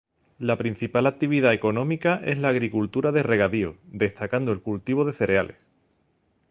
La principal actividad económica es la agricultura de regadío, destacando el cultivo de cereales.